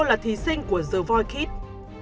là thí sinh của the voice kids